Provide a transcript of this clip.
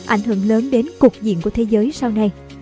ảnh hưởng lớn đến cục diện của thế giới sau này